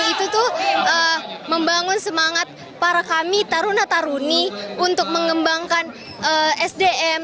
itu tuh membangun semangat para kami taruna taruni untuk mengembangkan sdm